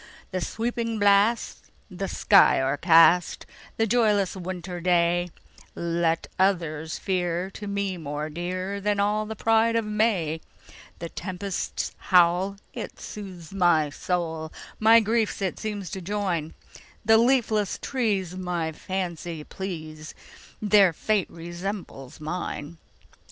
"The sweeping blast, the sky o'ercast,"The joyless winter dayLet others fear, to me more dearThan all the pride of May:The tempest's howl, it soothes my soul, My griefs it seems to join; The leafless trees my fancy please, Their fate resembles mine!